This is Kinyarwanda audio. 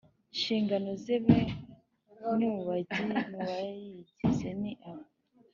nshingano ze Bamwe mu bayigize ni aba